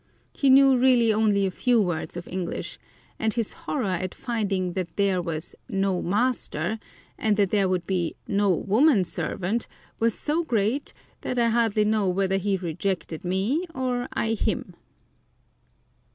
He knew really only a few words of English, and his horror at finding that there was "no master," and that there would be no woman servant, was so great, that I hardly know whether he rejected me or I him.